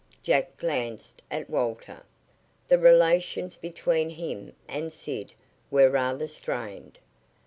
Jack glanced at Walter. The relations between him and Sid were rather strained.